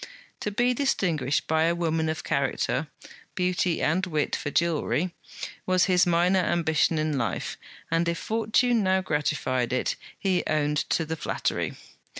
To be distinguished by a woman of character (beauty and wit for jewellery), was his minor ambition in life, and if Fortune now gratified it, he owned to the flattery.